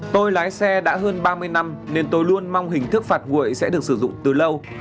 tôi lái xe đã hơn ba mươi năm nên tôi luôn mong hình thức phạt nguội sẽ được sử dụng từ lâu